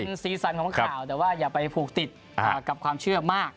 เป็นสีสันของข่าวแต่ว่าอย่าไปผูกติดกับความเชื่อมาก